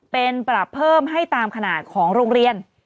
เป็นปรับเพิ่มให้ตามขนาดของโรงเรียน